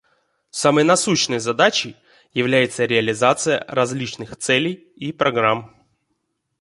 Самой насущной задачей является реализация различных целей и программ.